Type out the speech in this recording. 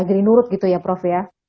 jadi nurut gitu ya prof ya